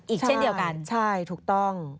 อีกเช่นเดียวกัน